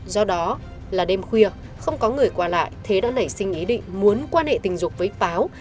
do đó là đêm khuya không có người qua lại thế đã nảy sinh ý định muốn quan hệ tình dục với báo